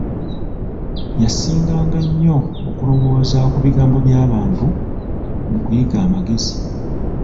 Yasinganga nnyo okulowooza ku bigambo bya bantu nu kuyiga amagezi.